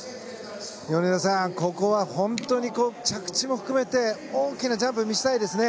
米田さん、ここは本当に着地も含めて大きなジャンプを見せたいですね。